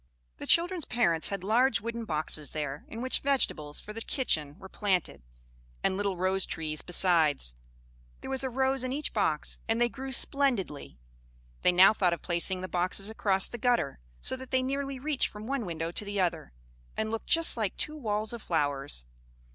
The children's parents had large wooden boxes there, in which vegetables for the kitchen were planted, and little rosetrees besides: there was a rose in each box, and they grew splendidly. They now thought of placing the boxes across the gutter, so that they nearly reached from one window to the other, and looked just like two walls of flowers.